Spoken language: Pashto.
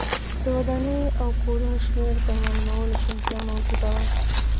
د ودانیو او کورونو شمېر د معلومولو شونتیا موجوده وه.